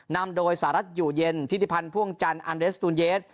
นำโดยสหรัฐอยู่เย็นทิศิพันธ์พ่วงจันทร์อันเดสตูนเยส